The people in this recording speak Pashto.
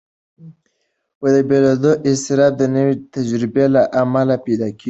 بېلېدو اضطراب د نوې تجربې له امله پیدا کېږي.